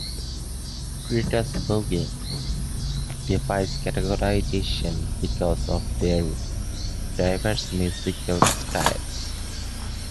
Critters Buggin defies categorization because of their diverse musical styles.